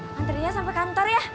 mantrinya sampai kantor ya